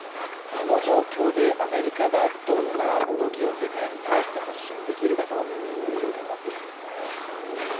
この状況でアメリカがどんな動きを世界に対して発信できるかという状況になっているんですね